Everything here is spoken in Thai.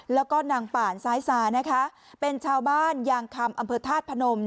แล้วก็นางป่านซ้ายซานะคะเป็นชาวบ้านยางคำอำเภอธาตุพนม